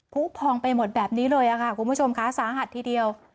ผู้พองไปหมดแบบนี้เลยค่ะคุณผู้ชมค่ะสาหัสทีเดียว